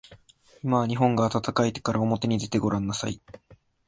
今は日本が暖かいからおもてに出てごらんなさい。